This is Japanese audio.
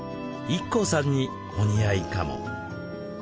ＩＫＫＯさんにお似合いかも。